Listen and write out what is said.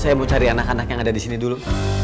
ibu jangan tinggalin aku bu